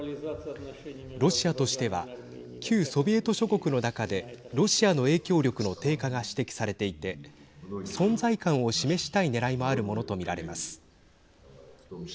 ロシアとしては旧ソビエト諸国の中でロシアの影響力の低下が指摘されていて存在感を示したいねらいもあるものと見られます。